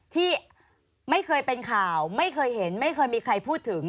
ที่ไม่เคยเป็นข่าวไม่เคยเห็นไม่เคยมีใครพูดถึง